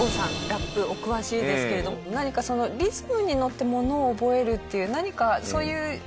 ラップお詳しいですけれども何かリズムにのってものを覚えるっていう何かそういう。